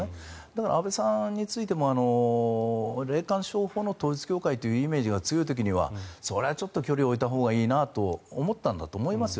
だから安倍さんについても霊感商法の統一教会というイメージが強い時にはそれはちょっと距離を置いたほうがいいなと思ったんだと思います。